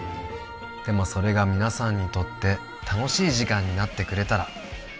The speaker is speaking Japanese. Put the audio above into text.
「でもそれが皆さんにとって楽しい時間になってくれたら」